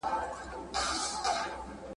ابن خلدون توپير بيانوي.